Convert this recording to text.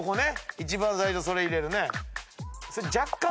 一番最初それ入れるね。